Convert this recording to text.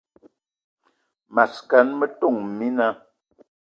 Mas gan, metόn mina